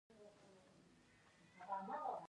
ټوکې خندا راوړي